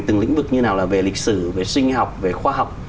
từng lĩnh vực như nào là về lịch sử về sinh học về khoa học